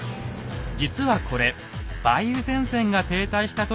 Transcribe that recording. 実はこれ梅雨前線が停滞した時のものでした。